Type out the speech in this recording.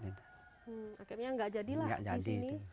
akhirnya nggak jadi lah di sini